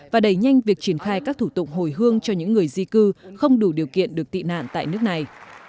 và đẩy nhanh việc triển khai các thủ tục hồi hương cho những người di cư không đủ điều kiện được tị nạn tại nước này